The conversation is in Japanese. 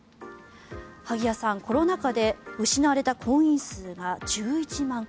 萩谷さん、コロナ禍で失われた婚姻数が１１万